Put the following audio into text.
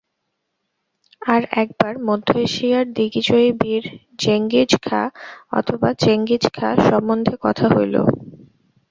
আর একবার মধ্য-এশিয়ার দিগ্বিজয়ী বীর জেঙ্গিজ খাঁ অথবা চেঙ্গিজ খাঁ সম্বন্ধে কথা হইল।